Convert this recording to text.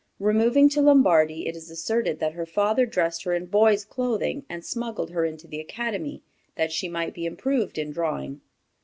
Removing to Lombardy, it is asserted that her father dressed her in boy's clothing, and smuggled her into the academy, that she might be improved in drawing.